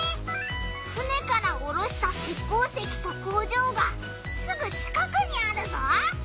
船からおろした鉄鉱石と工場がすぐ近くにあるぞ！